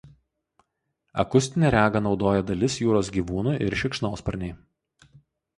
Akustinę regą naudoja dalis jūros gyvūnų ir šikšnosparniai.